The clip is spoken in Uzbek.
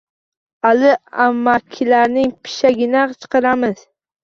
Ali amakilarning pishagini chaqiramiz.